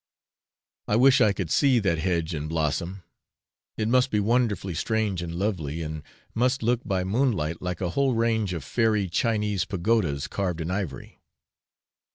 I wish I could see that hedge in blossom. It must be wonderfully strange and lovely, and must look by moonlight like a whole range of fairy Chinese pagodas carved in ivory.